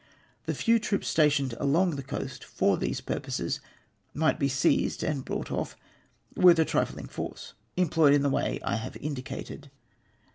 " The few troops stationed along the coast for these pur poses might be seized and brought off with a trifling force employed in the way I have indicated.